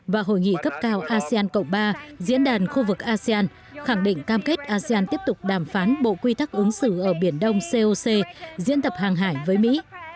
và hội nghị cấp cao asean cộng ba diễn đàn khu vực asean khẳng định cam kết asean tiếp tục đàm phán bộ quy tắc ứng xử ở biển đông coc diễn tập hàng hải với mỹ